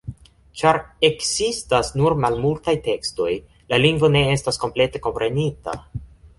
Ĉar ekzistas nur malmultaj tekstoj, la lingvo ne estas komplete komprenita.